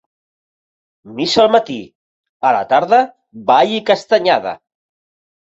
Missa al matí, a la tarda ball i castanyada.